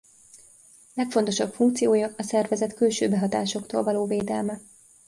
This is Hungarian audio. Legfontosabb funkciója a szervezet külső behatásoktól való védelme.